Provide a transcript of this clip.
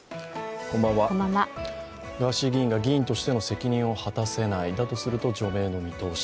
ガーシー議員が議員としての責任を果たせない、だとすると除名の見通し。